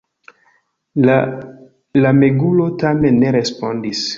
La lamegulo tamen ne respondis.